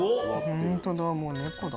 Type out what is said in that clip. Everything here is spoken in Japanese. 本当だ！